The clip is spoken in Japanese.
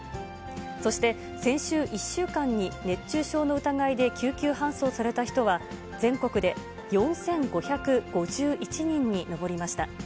そして、先週１週間に熱中症の疑いで救急搬送された人は、全国で４５５１人に上りました。